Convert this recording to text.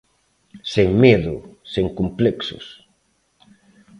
Sen medo, sen complexos.